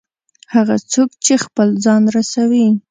هغه څوک چې خپل ځان رسوي.